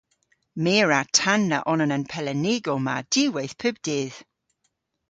My a wra tanna onan a'n pelennigow ma diwweyth pub dydh.